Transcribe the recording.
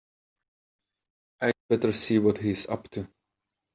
I'd better see what he's up to.